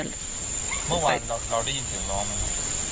เมื่อวานเราได้ยินเสียงร้องไหมครับ